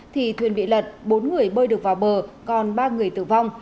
thì thuyền bị lật bốn người bơi được vào bờ còn ba người tử vong